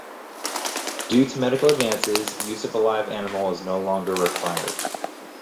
Due to medical advances, use of a live animal is no longer required.